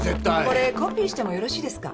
これコピーしてもよろしいですか？